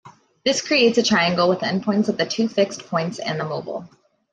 This creates a triangle with endpoints at the two fixed points and the mobile.